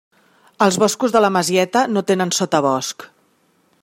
Els boscos de la Masieta no tenen sotabosc.